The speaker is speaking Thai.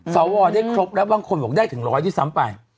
สวได้ครบแล้วบางคนบอกได้ถึงร้อยที่ซ้ำไป